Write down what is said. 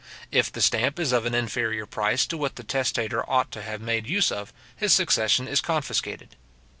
If the stamp is of an inferior price to what the testator ought to have made use of, his succession is confiscated.